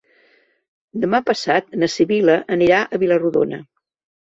Demà passat na Sibil·la anirà a Vila-rodona.